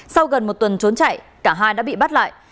sau gần một tuần trốn chạy cả hai đã bị bắt lại